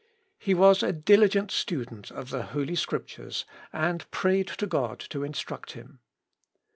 He was a diligent student of the Holy Scriptures, and prayed to God to instruct him.